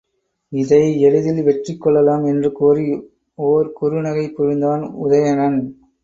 இதை எளிதில் வெற்றி கொள்ளலாம் என்று கூறி, ஒர் குறுநகை புரிந்தான் உதயணன்.